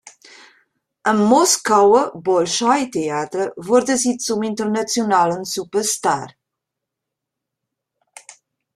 Am Moskauer Bolschoi-Theater wurde sie zum internationalen Superstar.